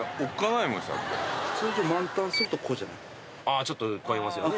あちょっと超えますよね。